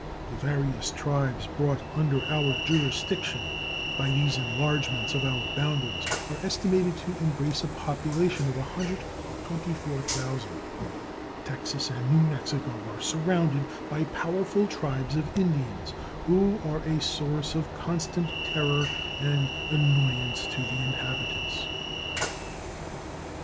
The various tribes brought under our jurisdiction by these enlargements of our boundaries are estimated to embrace a population of 124,000. Texas and New Mexico are surrounded by powerful tribes of Indians, who are a source of constant terror and annoyance to the inhabitants.